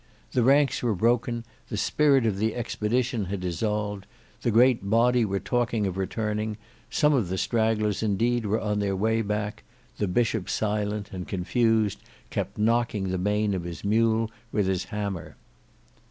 The ranks were broken, the spirit of the expedition had dissolved, the great body were talking of returning, some of the stragglers indeed were on their way back, the Bishop silent and confused kept knocking the mane of his mule with his hammer.